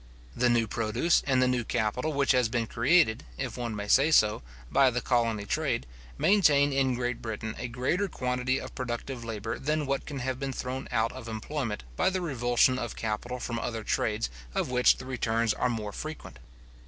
The new produce and the new capital which has been created, if one may say so, by the colony trade, maintain in Great Britain a greater quantity of productive labour than what can have been thrown out of employment by the revulsion of capital from other trades of which the returns are more frequent.